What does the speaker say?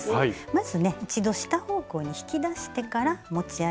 まずね一度下方向に引き出してから持ち上げると。